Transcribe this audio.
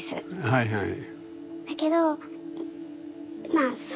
はいはい。